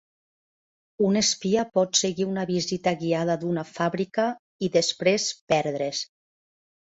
Un espia pot seguir una visita guiada d'una fàbrica i després "perdre's".